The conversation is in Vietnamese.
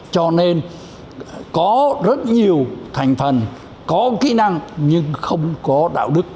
cho nên có rất nhiều thành phần có kỹ năng nhưng không có đạo đức